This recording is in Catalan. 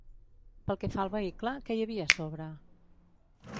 Pel que fa al vehicle, què hi havia a sobre?